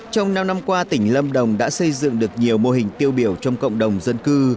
trong năm năm qua tỉnh lâm đồng đã xây dựng được nhiều mô hình tiêu biểu trong cộng đồng dân cư